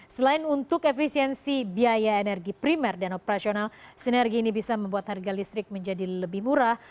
selain untuk efisiensi biaya energi primer dan operasional sinergi ini bisa membuat harga listrik menjadi lebih murah